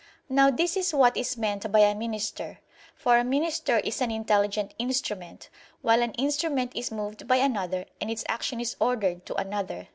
Now this is what is meant by a minister: for a minister is an intelligent instrument; while an instrument is moved by another, and its action is ordered to another.